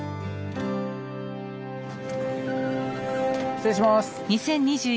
失礼します。